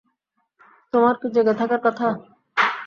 তোমার কি জেগে থাকার কথা?